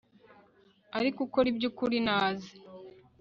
ariko ukora ibyukuri naze